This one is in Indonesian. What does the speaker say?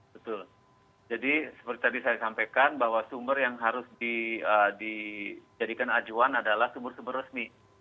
betul jadi seperti tadi saya sampaikan bahwa sumber yang harus dijadikan acuan adalah sumber sumber resmi